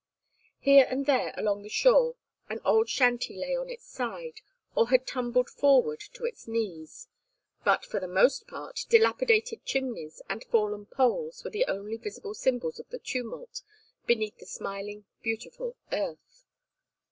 Here and there along the shore an old shanty lay on its side, or had tumbled forward to its knees; but for the most part dilapidated chimneys and fallen poles were the only visible symbols of the tumult beneath the smiling beautiful earth.